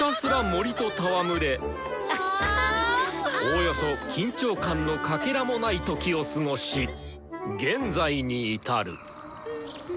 おおよそ緊張感のかけらもない時を過ごし現在に至る。